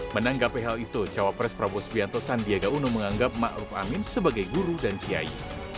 menanggapi hal itu cawa pres prabowo sbianto sandiaga uno menganggap ma'ruf amin sebagai guru dan kiai